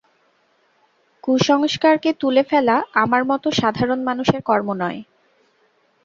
কুসংস্কারকে তুলে ফেলা আমার মতো সাধারণ মানুষের কর্ম নয়।